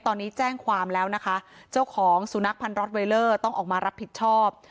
ตอนนี้แจ้งความแล้วนะคะเจ้าของสุนัขพันร็อตไวเลอร์ต้องออกมารับผิดชอบ